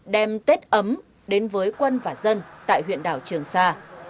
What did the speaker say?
đem tết ấm đến với quân và dân tại huyện đảo trường sa